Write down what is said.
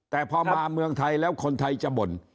แต่พอมาเมืองไทยแล้วคนไทยจะบ่น